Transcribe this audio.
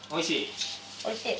おいしい？